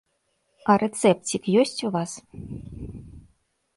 А рэцэпцік ёсць у вас?